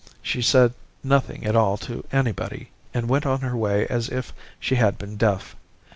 She said nothing at all to anybody, and went on her way as if she had been deaf.